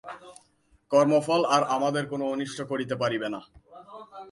কর্মফল আর আমাদের কোন অনিষ্ট করিতে পারিবে না।